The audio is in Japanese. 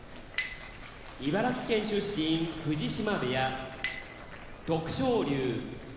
茨城県出身藤島部屋徳勝龍